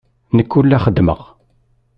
Nekk ur la xeddmeɣ.